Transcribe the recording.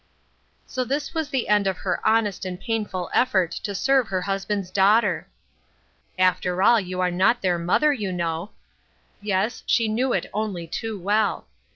So this was the end of her honest and painful effort to serve her husband's daughter ! "After all, you are not their mother, you know." Yes, she knew it only too well.